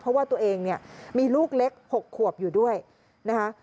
เพราะว่าตัวเองเนี่ยมีลูกเล็ก๖ขวบอยู่ด้วยนะคะ